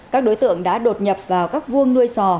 các đối tượng đã đột nhập vào các vuông nuôi sò